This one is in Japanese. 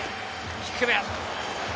低め。